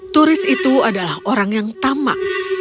turis itu adalah orang yang tamak